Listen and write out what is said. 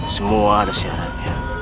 semua ada syaratnya